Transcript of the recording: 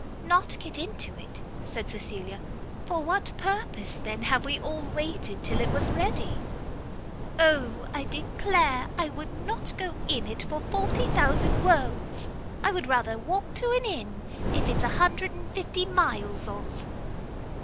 "Not get into it?" said Cecilia, "for what purpose, then, have we all waited till it was ready?" "O, I declare I would not go in it for forty thousand worlds. I would rather walk to an inn, if it's a hundred and fifty miles off."